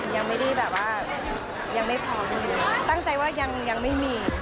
ยังไม่พร้อมตั้งใจว่ายังไม่มี